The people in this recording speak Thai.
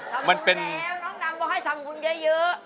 ทำคุณแล้วน้องดำก็ให้ทำคุณเยอะ